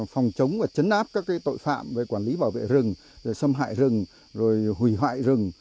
phòng chống và chấn áp các tội phạm về quản lý bảo vệ rừng rồi xâm hại rừng rồi hủy hoại rừng